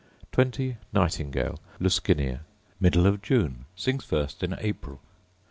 20. Nightingale, Luscinia: Middle of June: sings first in April.